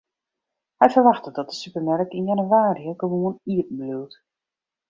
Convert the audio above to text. Hy ferwachtet dat de supermerk yn jannewaarje gewoan iepenbliuwt.